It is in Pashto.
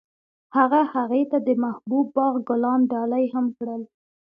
هغه هغې ته د محبوب باغ ګلان ډالۍ هم کړل.